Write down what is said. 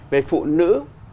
về phụ nữ